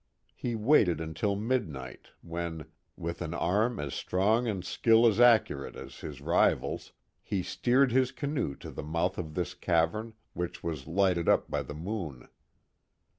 He waited until midnight, when, with an arm as strong and skill as accurate as his rival's, he steered his canoe to the mouth of this cavern, which was lighted up by the moon.